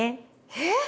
えっ？